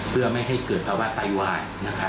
เพื่อไม่ให้เกิดเพราะว่ะไปไหว่